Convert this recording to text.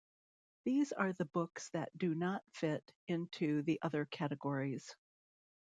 These are the books that do not fit into the other categories.